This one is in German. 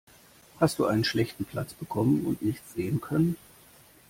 Hast du einen schlechten Platz bekommen und nichts sehen können?